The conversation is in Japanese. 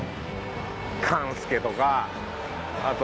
勘助とかあと。